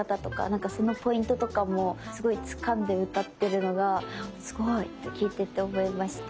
なんかそのポイントとかもすごいつかんで歌ってるのがすごいって聴いてて思いました。